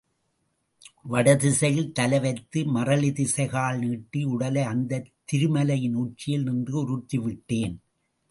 வடதிசையில் தலை வைத்து மறலி திசைகால் நீட்டி உடலை அந்தத் திருமலையின் உச்சியில் நின்று உருட்டி விட்டேன்.